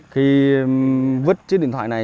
khi vứt chiếc điện thoại này